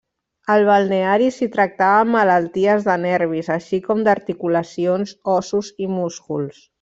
Al balneari s'hi tractaven malalties de nervis, així com d'articulacions, ossos i músculs.